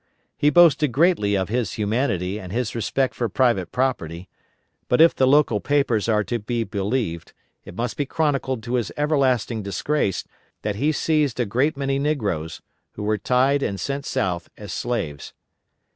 He boasted greatly of his humanity and his respect for private property, but if the local papers are to be believed, it must be chronicled to his everlasting disgrace that he seized a great many negroes, who were tied and sent South as slaves.